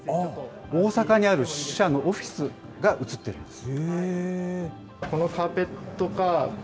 大阪にある支社のオフィスが映っているんです。